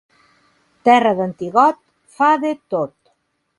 Terra d'antigot fa de tot.